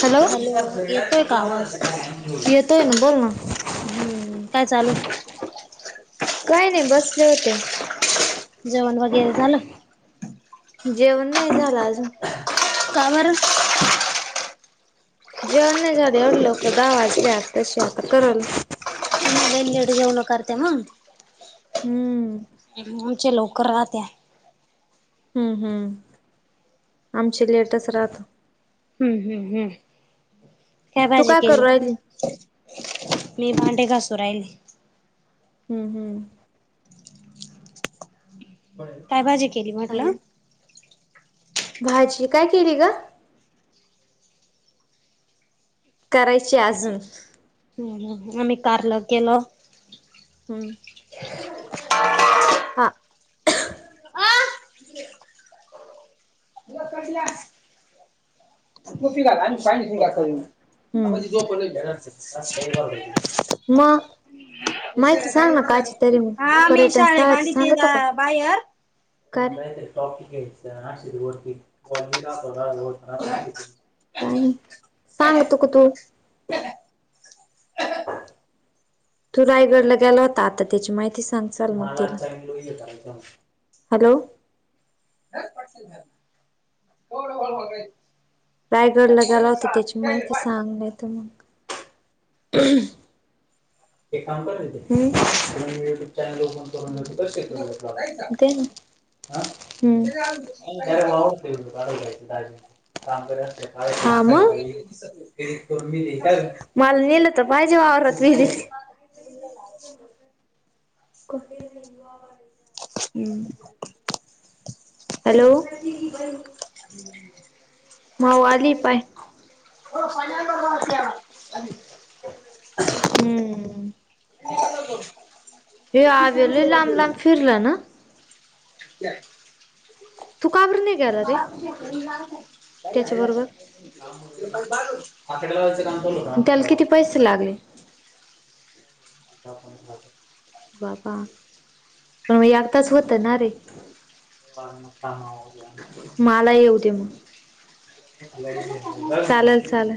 Hello येतोय का आवाज येतोय ना? बोल ना. हम्म काय चालू आहेय? काय नाही. बसले होते. जेवण वगैरे झालं? जेवण नाही झालं अजून. का बर? जेवण नाही झालं एवढ्या लवकर. दहा वाजले आत्ताशी आता करल. ते नेटवरन करत्या म्हणून. हम्म. आमचे लवकर राहत्या. हम्म हम्म. आमचे लेटच राहत. हम्म हम्म हम्म. काय तू भाजी करू केली? राहिली मी भांडे घासु ऱ्हायले. हम्म हम्. काय भाजी केली म्हटलं? चालेल भाजी काय केली ग? करायची अजून. हहं. आम्ही कारल केलं. हम्म. हा कसल्या [unintelligible] [unintelligible] करून [unintelligible] करायची का? मग? माहिती सांग ना कायची तरी. म हा मी पर्यटन शाळे स्थळाची बांधते सांगतो का? बाहेर काय? टॉपिक घ्यायचा [unintelligible] [unintelligible] काय नाही सांगतो का तू? तू रायगडला गेला होता आता. त्याची माहिती सांग चाल मग तर. हॅलो. [unintelligible] [unintelligible] रायगडला गेला होता त्याची माहिती सांग नाही त म. हं एक काम कर नाहीतर. हं. तुला मी - त्यांन फोन करून घेतला [unintelligible] देना. आं? हं. [unintelligible] काम कर असत हा मग? मला नेलंतं तर माझ्यावरच [unintelligible] [unintelligible] [unintelligible] हम्. हॅलो. ठीक आहे. हम्. हो आली पाह्य. ओ पाणी आण [unintelligible] हम्म. [unintelligible] हे आज लई लांब लाबं फिरला ना? तू का बरं नाही गेला रे, त [unintelligible] त्याच्या बरोबर, काम. त्याला किती पैसे लागले, पण [unintelligible] बाबा पण एकदाचं होत ना रे. माला येऊ दे मग, चालल चालल.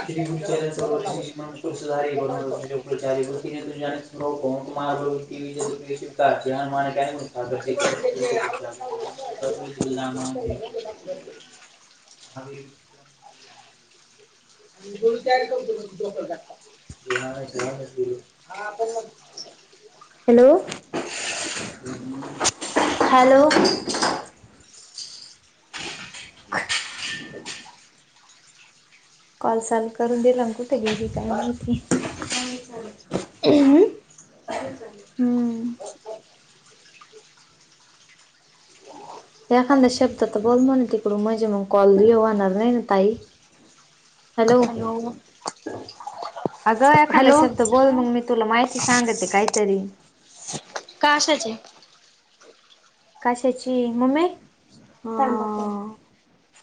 [unintelligible] को मारय [unintelligible] जिल म ज [unintelligible] ब [unintelligible] आणि [inaudible] आणि [inaudible] थोडडी तयार करतोत ते नाही शरनेच गेले [unintelligible] हा पण मंग, हॅलो! हॅलो. नाही [inaudible] कॉल चालू करून दिला न कुठें गेली काय माहिती? काय चालू य हम्म, एखाद शब्दातं बोल म्हण तिकडू म्हणजे मग कॉल रि होणार नाही ना ताई? हॅलो! आगं एखांदा हॅलो शब्द बोल, मंग मी तुला माहिती सांगते काहीतरी. काशाची? काशाची, मम्मी हां.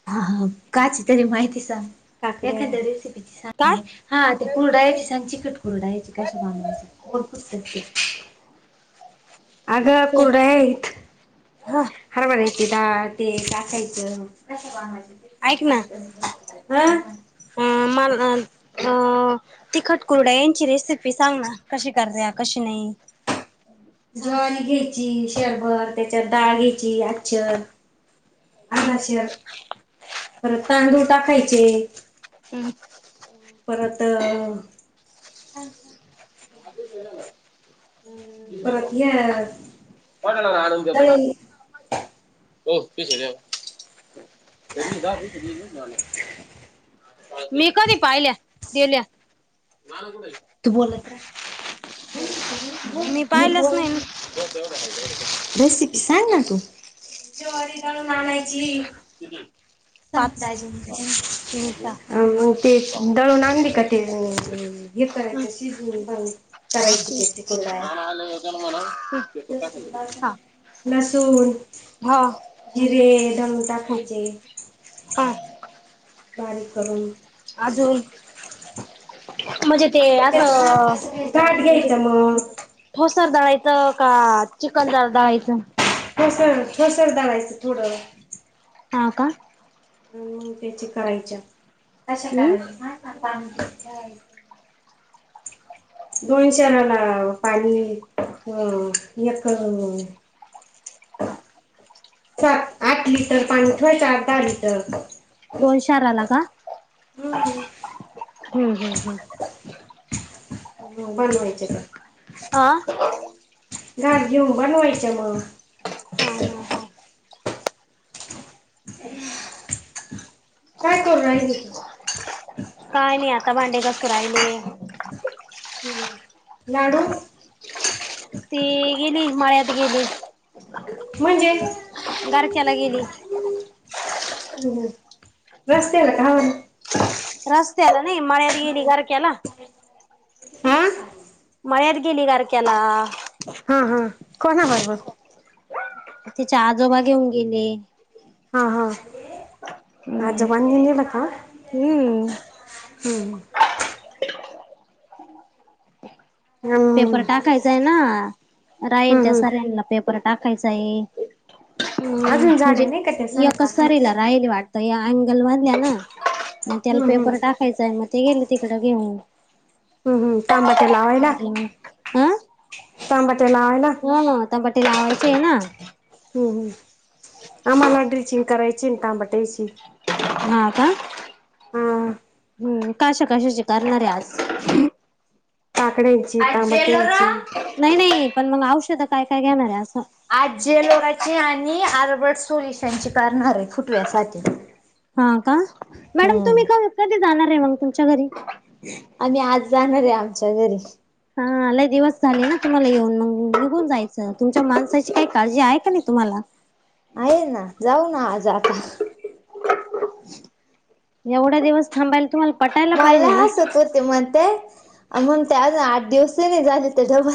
हा कशची तरी माहिती सांग का एकदा रेसिपी काय सांग. हां ते कुरडायची सांग चिकट कुरडायचे कशा बनवायचं मंग पुस्तक ठेव. आगं, हो कुरडयेत हा हरभऱ्याची डाळ, ते टाकायचं. हा, ऐक ना माल घाल. आ तिखटकुरड यांची रेसिपी सांग ना कशी कर्या कशी नाही. ज्वारी घेईची शेरभर, त्याच्यात डाळ घ्यायची आच्चर हम्म अर्धा शेर परत तांदूळ टाकायचे. हम्. परत परत [unintelligible] येणारचं. पडला ला आणून देतो. हो पस जा [unintelligible] मी कधी पाहिल्या गेल्या. तू बोलत राय, बोल तू. मी पाहिलंच नाही ना. रेसिपी सांग ना तू ज्वारी दळून आणायची. क [unintelligible] सांग दाजी मी सहा आव ते दळून आणली का? तेअ हे हम्म करायचं शिजून मंग करायचं तेच कुरडया. त्याला म्हणावं लसूण. हो जिरे [unintelligible] ह टाकायचे. हा बारीक करून. अजून म्हणजे ते असं ताट म्हणजे घ्यायचं मग ठोसार दळायचं का चिकन दाळायचं ठोसर ठोसर दळायचं थोडं हा का मग त्याचे करायच्या कशा हम्म करायला [unintelligible] दोन क्षणाला पाणी अ एक [unintelligible] सात आठ लिटर पाणी ठेवायच आठ दहा लिटर दोन शेराला का मग हम् हम् हम् बनवायचे तर अह घास घेऊन बनवायच्या मग हो हो हो. काय करू राहिली. काय नाही आता भांडे घासू राहिले. लाडू? ती गेली माळ्यात गेली. म्हणजे. गरकेल्या गेली. हो रस्तेला घावन. रस्तेला नई मल्यात गेली घारकेला. हा मळ्यात गेली गार के्याला हा हा कोणा बरोबर. तिचे आजोबा घेऊन गेले. हा हा हम्म आजोबांनी नेलं का. हम्म हम्म पेपर हम्म टाकायचा आहे ना राहील हम्म त्या हम्म सऱ्यांना पेपर टाकायचाय. हम् अजून म्हणजे झालं नाही का ते सगळं एकच टाकायचं सरीला राहिल वाट तर या अगल वाधल्या ना मग त्याला हम्म हम्म पेपर टाकायचाय मग ते गेले तिकड घेऊन. हम्म हम्म तांबट लावयला. हम्म अ तांबते लावायला. हो ना टमाटे लावायचे आहे ना हम्म हम् आम्हाला ढरीचीन कारायचन टांबाटेयची [unintelligible] हा आ का हा हम्म कशा कशाचे करणारे आज काकड्यांची टामट्याची नाही नाही पण मग औषध काय काय घेणार आहे असं. आजजेलोराची आणि आर्बर्ट सोलोल्युशनची करणार आहे फुटव्यासाठी. हा का, मॅडम तुम्ही हम्म का- कधी जाणार आहे मग तुमच्या घरी? आम्ही आज जाणार आहे आमच्या घरी. हा लय दिवस झाले ना तुम्हाला येऊन मग, निघून जायचं तुमच्या माणसाची काही काळजी आहे का नाही तुम्हाला? [inaudible] आहे ना जाऊ ना आज आता. एवढा दिवस थांबायला तुम्हाला पटायला पाहिजे ना. ते म्हणतेय मग त्या आठ दिवस नाही झाले ते डबा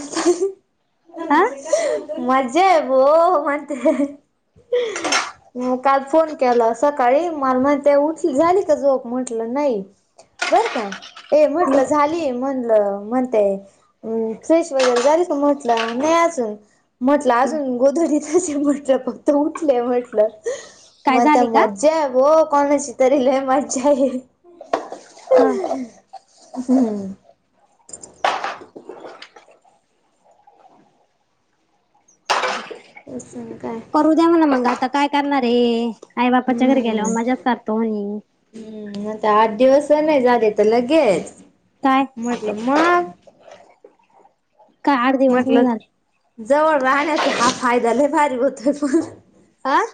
हा मजा आहे बो म्हणते म काल फोन केला सकाळी मला म ते उठली झाली का झोप म्हटलं नाही. बर का, ए म्हटलं झाली म्हणलं म्ह ते फ्रेश वगैरे झाली का म्हटलं नाही अजून म्हटलं अजून गोधडीतच आहे म्हटलं, फक्त उठले म्हटलं. काय मत झाली का मजा बो कोणाचीतरी लय मजा आहे. ह हम्म! तस काय करू द्या म्हणा मग आता काय करणारे आई बापाच्या घरी हम्म. गेल्या मजाच करतो म्हणे. हम्म आता आठ दिवस नाही झाले तर लगेच काय म्हटल मग का आठ दिवस नाही म्हटलं झाले? जवळ राहण्याचा हा फायदा लय भारी होतोय पण आह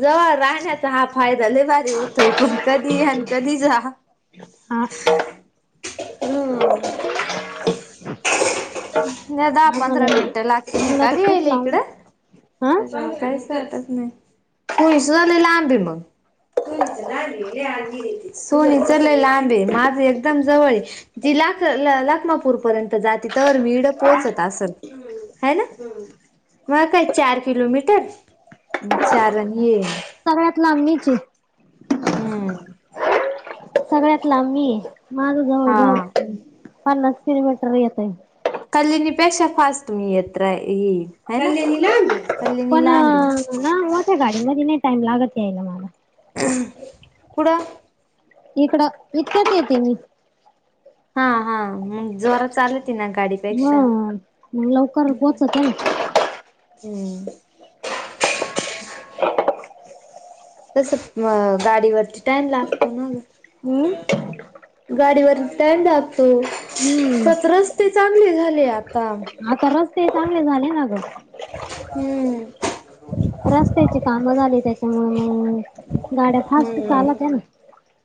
जवळ राहण्याचा हा फायदा लय भारी होतोय. पण कधी या आणि कधी जा. हा. हम! नाही दहा पंधरा आम्हाला मिनिटं लागतील आम्हाला तर कावी यायल खूप लांब हा इकडं काहीचतच नाही सोयस झालं लांबे मग सोनी चल लांबे माझे एकदम जवळ आहे. जी लाख -लाखमापूर पर्यंत जाते तर वीड पोहोचत असन आहे ना म काय चार किलोमीटर चार र ये सगळ्यात लाब मीच आहे. हम्म. सगळ्यात लांब मी आहे, माझ जवळ जवळ हा पन्नास किलोमीटर येत आहे. कल्याणी पेक्षा फास्ट तुम्ही येत्र कल्याणी लांब आहे. पण ना मोठ्या गाडीमध्ये नाही टाईम लागत यायला मला कुड? इकडं इतकत येते मी. हा हा. मग जोरा चालत ना हा गाडीपेक्षा मग लवकर ह पोहोचते ना. हम्म. तसं अ गाडीवरती टाइम लागतो ना हम्म. गाडीवर ट्टॅाकतो हम्म त्यात रस्ते चांगले झाले आता. आता रस्ते चांगले झाले ना ग. हम्म. रस्त्याची कामं झाली त्याच्यामुळे गाड्या फास्ट हम्म चालात त्या ना.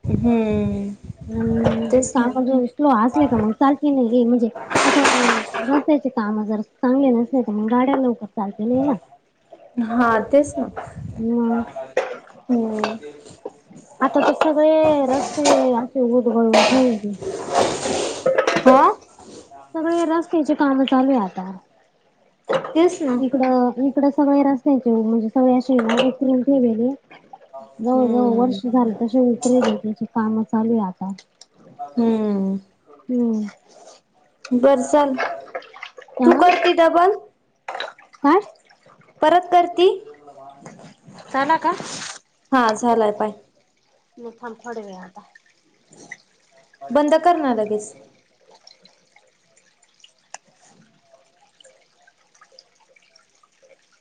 हम्म. हम् तेच ना कामजून स्लो असले का मग लखी नाही हे म्हणजे आता नसायचे काम जर चांगले नसले तर मग गाड्या लवकर चालत ना हा तेच ना मग हम्म आता ते सगळे रस्ते असे उदगळून ठेवते. आ सगळे रस्त्याचे काम चालू आहे आता तेच ना इकड इकडं सगळे रस्त्याचे म्हणजे सगळे असं बेले जवळ जवळ हम्म वर्ष झालं तसे उतरेल त्याची काम चालू आता. हम्म हम्म. बर चाल तू हा करते ट पण काय? परत करती. ला का. हा झालाय पाय. मथम थोड घ आता. बंद करणा लगेच.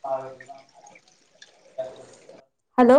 अ. हॅलो